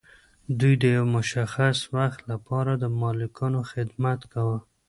دوی د یو مشخص وخت لپاره د مالکانو خدمت کاوه.